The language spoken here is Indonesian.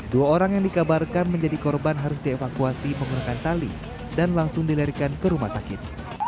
dua orang yang dikabarkan menjadi korban harus dievakuasi menggunakan tali dan langsung dilarikan ke rumah sakit